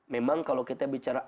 memang kalau kita bicara